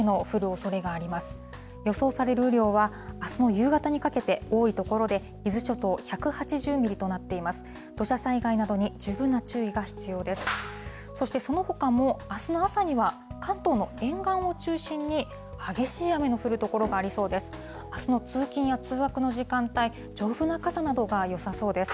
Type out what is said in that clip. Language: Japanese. そしてそのほかも、あすの朝には、関東の沿岸を中心に、激しい雨の降る所がありそうです。